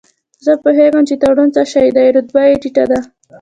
زه پوهېږم چې تورن څه شی دی، رتبه یې ټیټه ده.